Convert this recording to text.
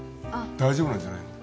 大丈夫なんじゃないの？